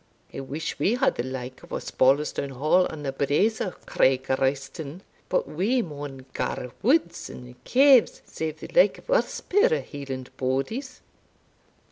I wish we had the like o' Osbaldistone Hall on the braes o' Craig Royston But we maun gar woods and caves serve the like o' us puir Hieland bodies."